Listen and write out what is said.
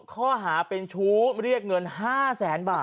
ข้อหาเป็นชู้เรียกเงิน๕แสนบาท